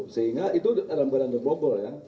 sehingga itu dalam keadaan global